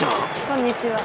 こんにちは。